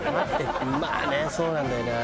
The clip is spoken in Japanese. まあねそうなんだよな。